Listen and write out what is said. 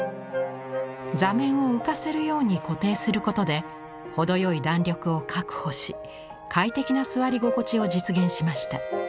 座面を浮かせるように固定することで程よい弾力を確保し快適な座り心地を実現しました。